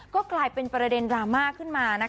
ก็กลายเป็นประเด็นดราม่าขึ้นมา